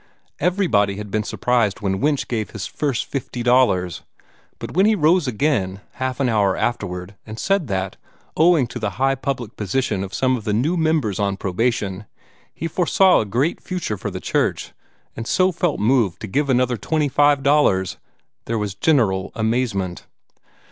Everybody had been surprised when Winch gave his first $50; but when he rose again, half an hour afterward, and said that, owing to the high public position of some of the new members on probation, he foresaw a great future for the church, and so felt moved to give another $25, there was general amazement.